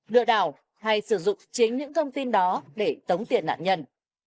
lừa đảo hay sử dụng chính những thông tin đó để tống tiền nạn nhân